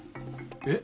えっ？